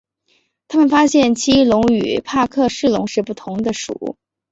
他们发现奇异龙与帕克氏龙是不同的属。